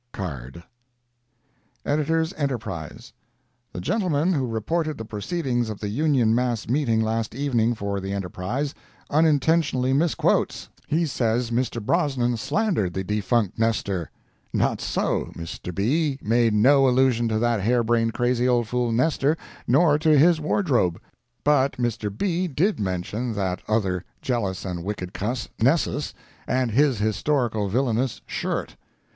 CARD EDS. ENTERPRISE.—The gentleman who reported the proceedings of the Union mass meeting last evening for the ENTERPRISE, unintentionally misquotes. He says Mr. Brosnan slandered the defunct "Nestor." Not so—Mr. B____ made no allusion to that hair brained, crazy old fool, "Nestor," nor to his "wardrobe." But Mr. B____ did mention that other jealous and wicked "cuss," Nessus, and his historical, villainous "shirt."